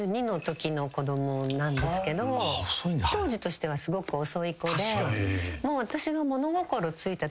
当時としてはすごく遅い子でもう私が。